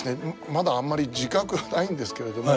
まだあんまり自覚がないんですけれども